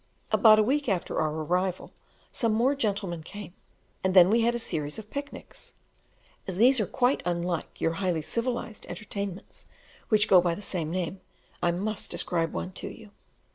About a week after our arrival, some more gentlemen came, and then we had a series of picnics. As these are quite unlike your highly civilized entertainments which go by the same name, I must describe one to you.